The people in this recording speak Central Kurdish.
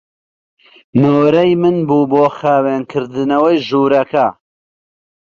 نۆرەی من بوو بۆ خاوێنکردنەوەی ژوورەکە.